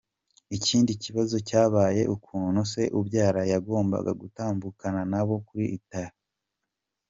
Ikindi kibazo cyabaye ukuntu se ubabyara yagombaga gutambukana nabo kuri altar.